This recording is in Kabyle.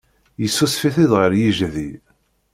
Yessusef-it-id ɣer yejdi.